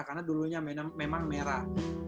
karena dulunya memang merah